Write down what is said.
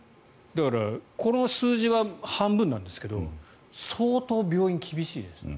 だからこの数字は半分なんですけど相当、病院は厳しいですね。